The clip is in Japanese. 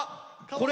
これ。